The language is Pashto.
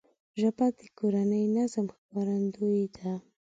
ژبه د کورني نظم ښکارندوی ده